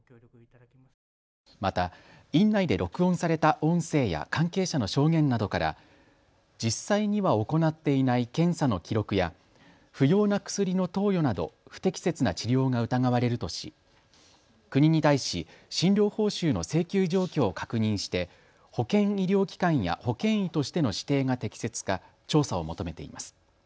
また院内で録音された音声や関係者の証言などから実際には行っていない検査の記録や不要な薬の投与など不適切な治療が疑われるとし国に対し診療報酬の請求状況を確認して保険医療機関や保険医としての指定が適切か調査を求めています。